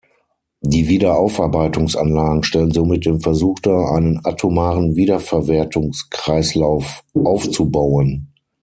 Die Wiederaufarbeitungsanlagen stellen somit den Versuch dar, einen atomaren Wiederverwertungs-Kreislauf aufzubauen.